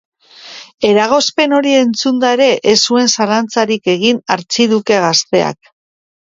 Eragozpen hori entzunda ere, ez zuen zalantzarik egin artxiduke gazteak.